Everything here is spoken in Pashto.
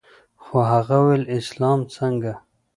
خو هغه وويل اسلام څنگه.